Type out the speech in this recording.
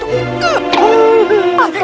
tiga dua satu